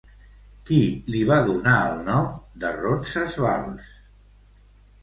Qui li va donar el nom de Ronsasvals?